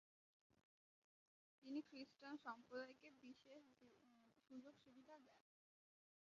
তিনি খ্রিস্টান সম্প্রদায়কে বিশেষ সুযোগ সুবিধা দেন।